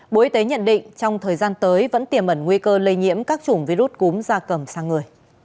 bộ y tế nhận định trong thời gian tới vẫn tiềm ẩn nguy cơ lây nhiễm các chủng virus cúm da cầm sang người